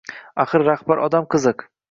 Axir, rahbar odam qiziq